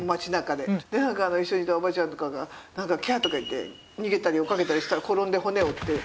でなんか一緒にいたおばちゃんとかがなんか「キャー」とか言って逃げたり追いかけたりしたら転んで骨折って。